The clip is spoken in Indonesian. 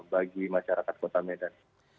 bagi masyarakat kota medan